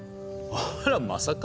あらまさか。